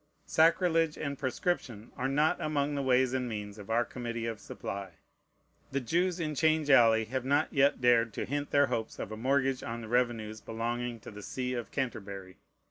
Sacrilege and proscription are not among the ways and means of our Committee of Supply. The Jews in Change Alley have not yet dared to hint their hopes of a mortgage on the revenues belonging to the see of Canterbury.